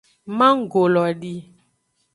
Manggo lo di.